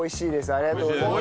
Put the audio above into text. ありがとうございます。